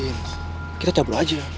cik kita cabut aja